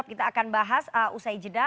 kita akan bahas usai jeda